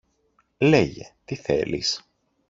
Λέγε, τι θέλεις;